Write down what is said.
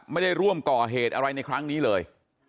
ไม่ได้ร่วมก่อเหตุอะไรในครั้งนี้เลย